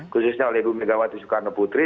khususnya oleh bumegawati soekarno putri